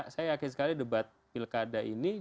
saya yakin sekali debat pilkada ini